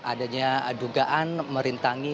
adanya dugaan merintangi